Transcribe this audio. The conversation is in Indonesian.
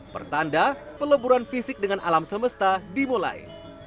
pertanda peleburan fisik dengan alam semesta dimulai